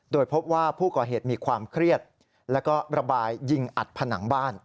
โดยพบว่าผู้ก่อเหตุมีความเครียดแล้วก็ระบายยิงอัดผนังบ้าน